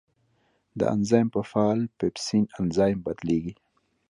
دا انزایم په فعال پیپسین انزایم بدلېږي.